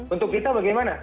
untuk kita bagaimana